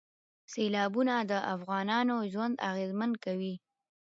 سیلابونه د افغانانو ژوند اغېزمن کوي.